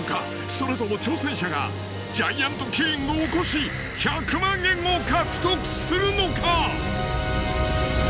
それとも挑戦者がジャイアントキリングを起こし１００万円を獲得するのか！？